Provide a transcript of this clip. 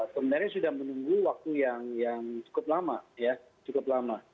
sebenarnya sudah menunggu waktu yang cukup lama ya cukup lama